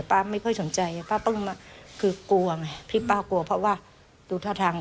ป้าไม่ค่อยสนใจป้าต้องมาคือกลัวไงพี่ป้ากลัวเพราะว่าดูท่าทาง